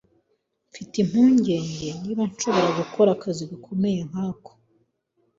Mfite impungenge niba nshobora gukora akazi gakomeye nkako.